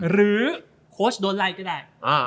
โค้ชโดนไล่ก็ได้